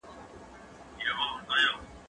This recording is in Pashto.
زه اوږده وخت واښه راوړم وم!؟